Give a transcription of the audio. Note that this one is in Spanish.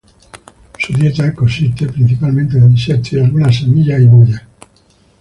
Su dieta consiste principalmente de insectos, y algunas semillas y bayas.